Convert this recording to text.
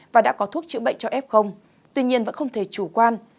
và đã có thuốc chữa bệnh cho f tuy nhiên vẫn không thể chủ quan